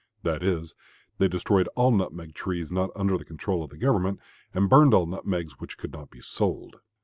That is, they destroyed all nutmeg trees not under the control of the government and burned all nutmegs which could not be sold.